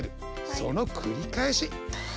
その繰り返し。